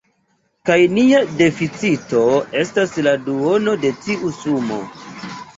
Kaj nia deficito estas la duono de tiu sumo.